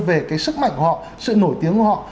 về cái sức mạnh của họ sự nổi tiếng của họ